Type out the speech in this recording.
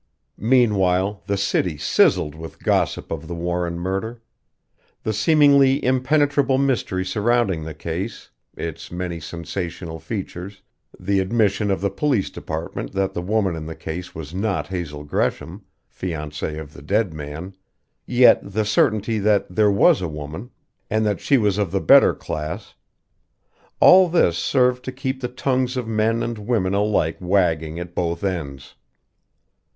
Meanwhile the city sizzled with gossip of the Warren murder. The seemingly impenetrable mystery surrounding the case, its many sensational features, the admission of the police department that the woman in the case was not Hazel Gresham, fiancée of the dead man, yet the certainty that there was a woman, and that she was of the better class all this served to keep the tongues of men and women alike wagging at both ends.